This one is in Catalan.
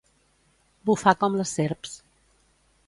Bufar com les serps.